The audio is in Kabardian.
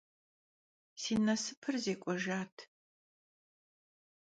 Si nasıpır zêk'uejjat.